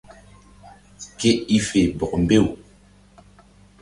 Ke i fe bɔk mbew.